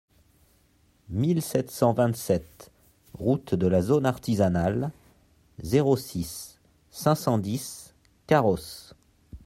mille sept cent vingt-sept route de la Zone Artisanale, zéro six, cinq cent dix Carros